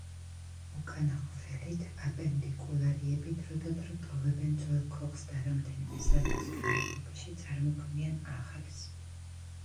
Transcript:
უკანა ხვრელით აპენდიკულარიები დროდადრო ტოვებენ ძველ „ქოხს“ და რამდენიმე საათის განმავლობაში წარმოქმნიან ახალს.